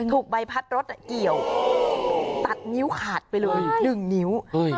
ถูกใบพัดรถเกี่ยวตัดนิ้วขาดไปเลย๑นิ้ว